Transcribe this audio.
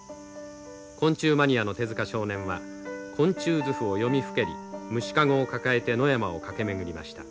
昆虫マニアの手塚少年は昆虫図譜を読みふけり虫かごを抱えて野山を駆け巡りました。